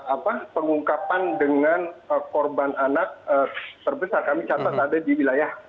apa pengungkapan dengan korban anak terbesar kami catat ada di wilayah